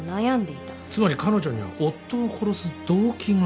つまり彼女には夫を殺す動機がある。